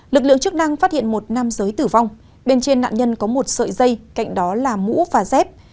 lực lượng chức năng phát hiện một nam giới tử vong bên trên nạn nhân có một sợi dây cạnh đó là mũ và dép